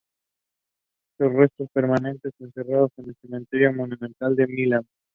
Sus restos permanecen enterrados en el Cementerio Monumental de Milán.